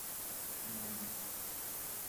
Mairi